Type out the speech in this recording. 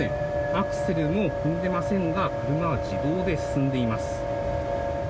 アクセルも踏んでませんが車は自動で進んでいます。